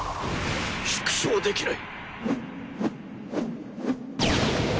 縮小できない！？